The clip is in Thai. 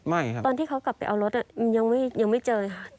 ไม่ครับตอนที่เขากลับไปเอารถเนี่ยยังไม่เจอค่ะ